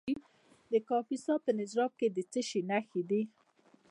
د کاپیسا په نجراب کې د څه شي نښې دي؟